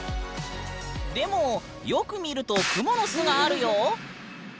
でもよく見るとクモの巣があるよ。